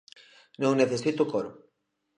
Non necesito coro.